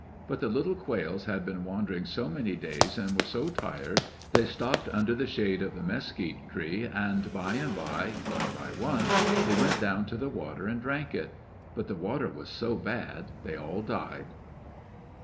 But the little quails had been wandering so many days and were so tired they stopped under the shade of the mesquite tree, and by and by, one by one, they went down to the water and 'drank it. But the water was so bad they all died.